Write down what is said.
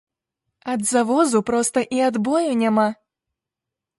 Ад завозу проста і адбою няма.